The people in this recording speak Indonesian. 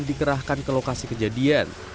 dikerahkan ke lokasi kejadian